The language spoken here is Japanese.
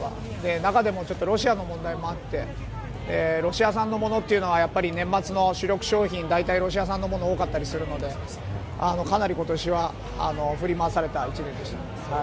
中でも、ロシアの問題もあって年末の主力商品は大体、ロシア産のものが多かったりするのでかなり、今年は振り回された１年でした。